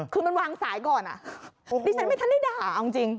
คือมันวางสายก่อนดิฉันไม่ทันได้ด่าเอาจริง